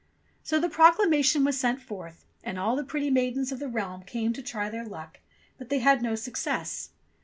So the proclamation was sent forth, and all the pretty maidens of the realm came to try their luck ; but they had no success.